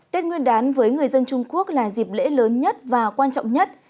tết nguyên đán với người dân trung quốc là dịp lễ lớn nhất và quan trọng nhất